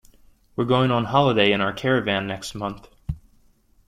We're going on holiday in our caravan next month